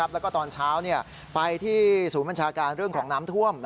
แล้วก็ตอนเช้าไปที่ศูนย์บัญชาการเรื่องของน้ำท่วม